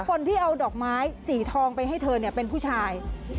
คนที่เอาดอกไม้สีทองไปให้เธอเป็นผู้ชาย